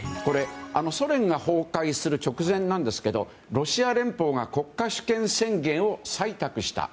ソ連が崩壊する直前なんですがロシア連邦が国家主権宣言を採択した。